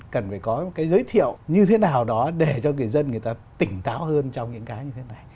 cần phải có một cái giới thiệu như thế nào đó để cho người dân người ta tỉnh táo hơn trong những cái như thế này